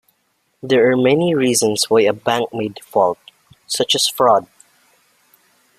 There are many reasons why a bank may default, such as fraud.